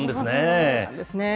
そうなんですね。